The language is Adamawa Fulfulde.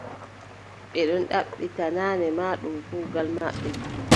Ɓe ɗon ɗaɓɓita, naane ma ɗum kuugal maɓɓe.